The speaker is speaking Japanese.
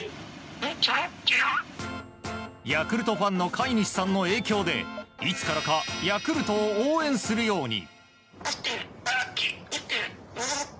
ヤクルトファンの飼い主さんの影響でいつからかヤクルトを応援するように。